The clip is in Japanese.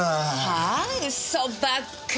ハァ！？嘘ばっかり！